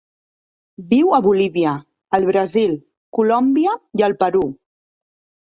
Viu a Bolívia, el Brasil, Colòmbia i el Perú.